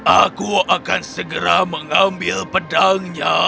aku akan segera mengambil pedangnya